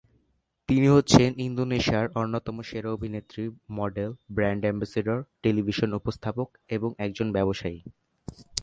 তিনি হচ্ছেন ইন্দোনেশিয়ার অন্যতম সেরা অভিনেত্রী, মডেল, ব্র্যান্ড অ্যাম্বাসেডর, টেলিভিশন উপস্থাপক এবং একজন ব্যবসায়ী।